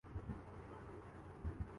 اب معاملہ کھل رہا ہے۔